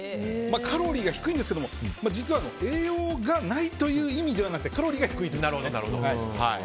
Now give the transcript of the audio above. カロリーが低いんですけど栄養がないという意味ではなくてカロリーが低いということです。